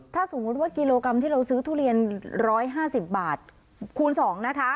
ถ้าสมมุติว่ากิโลกรัมที่เราซื้อทุเรียนร้อยห้าสิบบาทคูณสองนะคะ